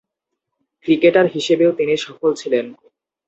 Cricketer হিসেবেও তিনি সফল ছিলেন।